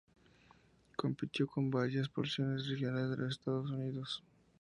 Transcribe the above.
Compitió en varias promociones regionales en los Estados Unidos.